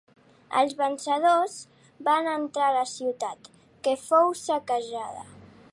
Els vencedors van entrar a la ciutat, que fou saquejada.